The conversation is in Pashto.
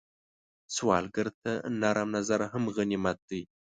سوالګر ته نرم نظر هم غنیمت دی